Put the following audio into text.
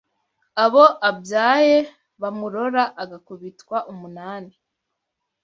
Abo abyaye bamurora Agakubitwa umunani